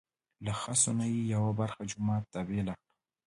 له خسو نه یې یوه برخه جومات ته بېله کړه.